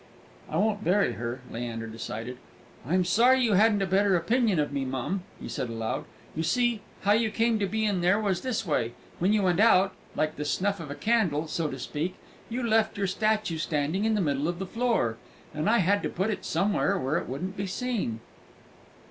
"I won't bury her," Leander decided. "I'm sorry you hadn't a better opinion of me, mum," he said aloud. "You see, how you came to be in there was this way: when you went out, like the snuff of a candle, so to speak, you left your statue standing in the middle of the floor, and I had to put it somewhere where it wouldn't be seen."